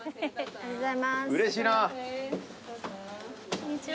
こんにちは。